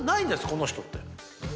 この人」って。